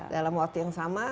dalam waktu yang sama